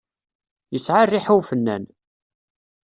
Yesɛa rriḥa ufennan.